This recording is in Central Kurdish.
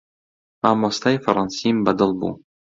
مامۆستای فەڕەنسیم بەدڵ بوو.